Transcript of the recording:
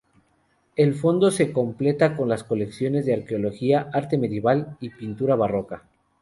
El fondo se completa con las colecciones de arqueología, arte medieval y pintura barroca.